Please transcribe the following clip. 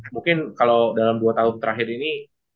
mungkin kalau dalam dua tahun terakhir ini